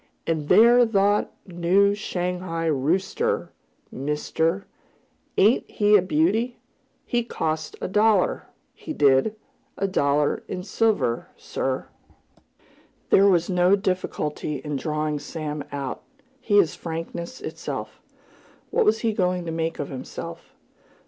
"And thet thar new Shanghai rooster, mister, ain't he a beauty? He cost a dollar, he did a dollar in silver, sir!" There was no difficulty in drawing Sam out. He is frankness itself. What was he going to make of himself?